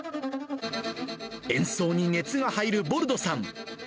演奏に熱が入るボルドさん。